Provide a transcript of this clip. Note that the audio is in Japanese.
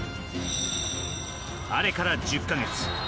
あれから１０か月。